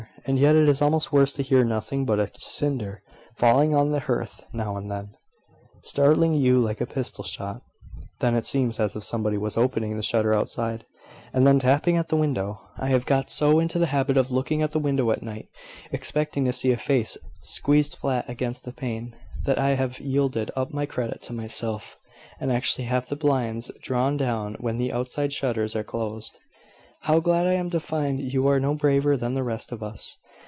And yet it is almost worse to hear nothing but a cinder falling on the hearth now and then, startling you like a pistol shot. Then it seems as if somebody was opening the shutter outside, and then tapping at the window. I have got so into the habit of looking at the window at night, expecting to see a face squeezed flat against the pane, that I have yielded up my credit to myself, and actually have the blinds drawn down when the outside shutters are closed." "How glad I am to find you are no braver than the rest of us!"